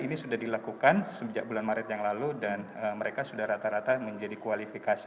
ini sudah dilakukan sejak bulan maret yang lalu dan mereka sudah rata rata menjadi kualifikasi